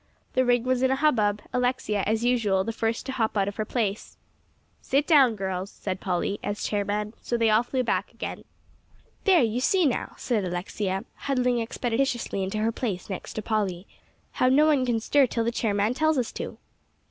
The ring was in a hubbub; Alexia, as usual, the first to hop out of her place. "Sit down, girls," said Polly as chairman. So they all flew back again. "There, you see now," said Alexia, huddling expeditiously into her place next to Polly, "how no one can stir till the chairman tells us to."